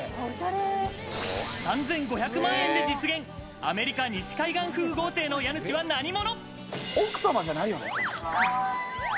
３５００万円で実現、アメリカ西海岸風豪邸の家主は何者？